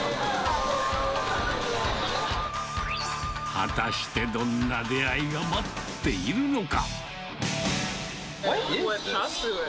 果たしてどんな出会いが待っているのか。